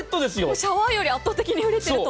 シャワーより圧倒的に売れていると。